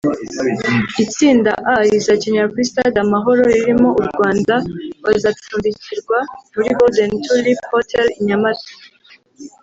Itsinda A rizakinira kuri stade Amahoro ririmo u Rwanda bazacumbikirwa muri Golden Tulip Hotel i Nyamata